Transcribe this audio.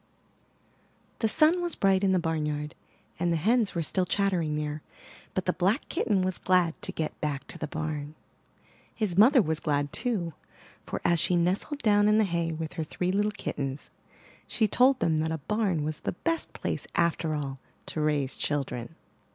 The sun was bright in the barnyard, and the hens were still chattering there; but the black kitten was glad to get back to the barn. His mother was glad too; for, as she nestled down in the hay with her three little kittens, she told them that a barn was the best place after all to raise children.